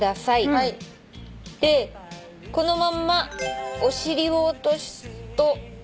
でこのまんまお尻を落とすと。